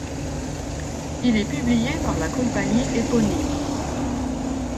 Il est publié par la compagnie éponyme.